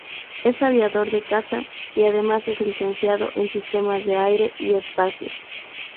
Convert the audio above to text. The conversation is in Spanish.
Es aviador de caza y además es licenciado en Sistemas de Aire y Espacio.